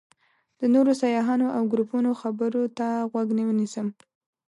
د نورو سیاحانو او ګروپونو خبرو ته غوږ ونیسم.